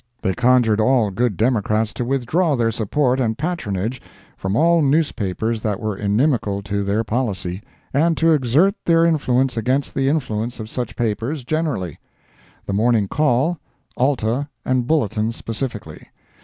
They conjured all good Democrats to withdraw their support and patronage from all newspapers that were inimical to their policy, and to exert their influence against the influence of such papers, generally; the Morning Call, Alta, and Bulletin, specifically.